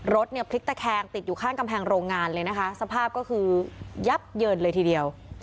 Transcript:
รถเนี่ยพลิกตะแคงติดอยู่ข้างกำแพงโรงงานเลยนะคะสภาพก็คือยับเยินเลยทีเดียว